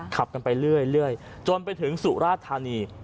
ขับกันไปเรื่อยจนไปถึงสุราธานี